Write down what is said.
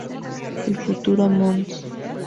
El futuro Mons.